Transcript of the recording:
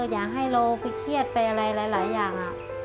อยากให้เราไปเครียดไปอะไรหลายอย่าง